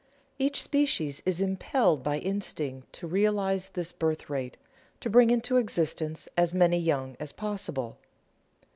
Each species is impelled by instinct to realize this birth rate, to bring into existence as many young as possible.